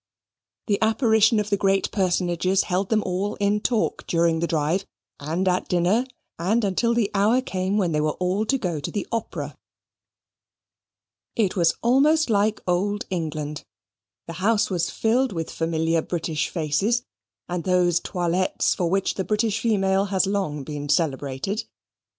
The apparition of the great personages held them all in talk during the drive; and at dinner; and until the hour came when they were all to go to the Opera. It was almost like Old England. The house was filled with familiar British faces, and those toilettes for which the British female has long been celebrated.